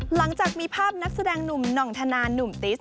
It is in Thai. หลังจากมีภาพนักแสดงหนุ่มหน่องธนานุ่มติส